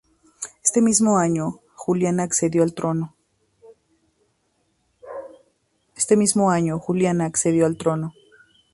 Ese mismo año, Juliana accedió al trono.